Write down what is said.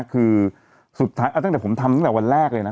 คือสุดท้ายตั้งแต่ผมทำตั้งแต่วันแรกเลยนะ